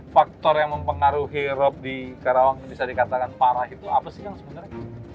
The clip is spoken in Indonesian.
faktor yang mempengaruhi rob di karawang yang bisa dikatakan parah itu apa sih kang sebenarnya